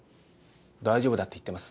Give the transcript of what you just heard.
大丈夫だって言ってます